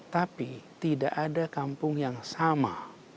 tapi tidak ada kampung yang sama